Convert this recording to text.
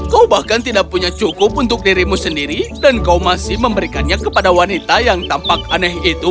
kau bahkan tidak punya cukup untuk dirimu sendiri dan kau masih memberikannya kepada wanita yang tampak aneh itu